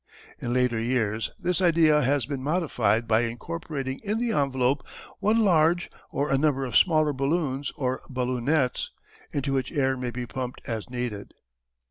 In later years this idea has been modified by incorporating in the envelope one large or a number of smaller balloons or "balloonets," into which air may be pumped as needed.